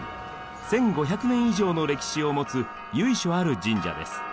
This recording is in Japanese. １，５００年以上の歴史を持つ由緒ある神社です。